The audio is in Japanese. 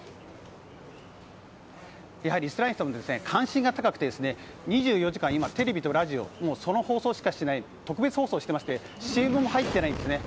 やはりイスラエルでも関心が高くて２４時間、今、テレビとラジオ特別放送をしていましてＣＭも入っていないんですね。